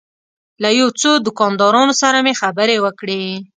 له یو څو دوکاندارانو سره مې خبرې وکړې.